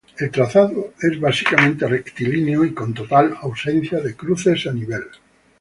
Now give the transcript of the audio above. El trazado es básicamente rectilíneo y con total ausencia de cruces a nivel.